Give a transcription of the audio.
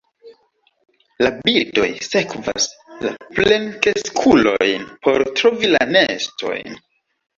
La birdoj sekvas la plenkreskulojn por trovi la nestojn.